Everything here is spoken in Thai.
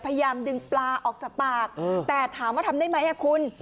พยายามดึงปลาออกจากปากแต่ถามว่าทำได้ไหมคุณ